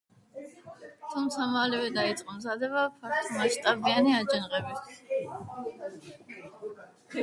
თუმცა, მალევე დაიწყო მზადება ფართომასშტაბიანი აჯანყებისთვის.